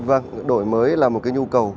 vâng đổi mới là một cái nhu cầu